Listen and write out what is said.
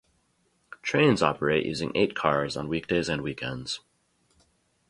Trains operate using eight cars on weekdays and weekends.